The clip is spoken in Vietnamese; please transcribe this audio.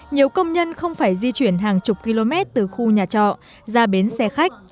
nhiều công nhân không phải di chuyển hàng chục km từ khu nhà trọ ra bến xe khách